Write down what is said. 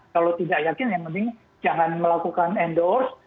kalau tidak yakin yang penting jangan melakukan endorse